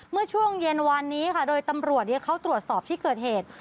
เมื่อช่วงเย็นวานนี้ค่ะโดยตำรวจเขาตรวจสอบที่เกิดเหตุ